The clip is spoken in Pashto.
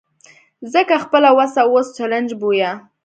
ځکه خپله وسه اوس چلنج بویه.